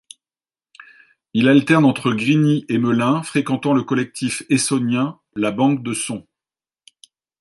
Il alterne entre Grigny et Melun, fréquentant le collectif essonnien La Banque de Sons.